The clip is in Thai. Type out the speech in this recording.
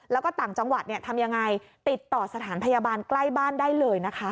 แล้วก็ต่างจังหวัดทำยังไงติดต่อสถานพยาบาลใกล้บ้านได้เลยนะคะ